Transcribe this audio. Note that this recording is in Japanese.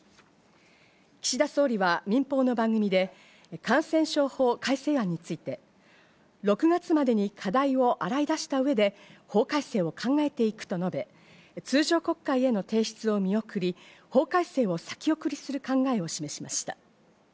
岸田総理は民放の番組で、感染症法改正案について、６月までに課題を洗い出した上で、法改正を考えていくと述べ、通常国会への提出を見送り、法改正を先送りする考えを示しました。